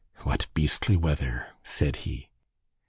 "What beastly weather!" said he.